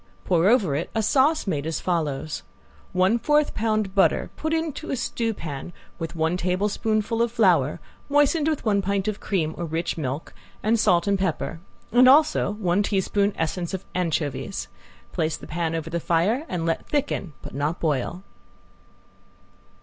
Pour over it a sauce made as follows: One fourth pound butter put into a stewpan with one tablespoonful of flour, moistened with one pint of cream or rich milk, and salt and pepper, and also one teaspoonful essence of anchovies. Place the pan over the fire and let thicken, but not boil.